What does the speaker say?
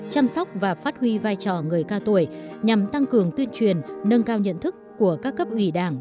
chăm sóc và phát huy vai trò người cao tuổi nhằm tăng cường tuyên truyền nâng cao nhận thức của các cấp ủy đảng